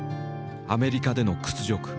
アメリカでの屈辱。